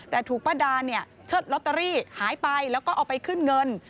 แต่ถูกป้าดาเนี่ยเชิดลอตเตอรี่หายไปแล้วก็เอาไปขึ้นเงิน